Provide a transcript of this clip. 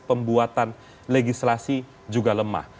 pembuatan legislasi juga lemah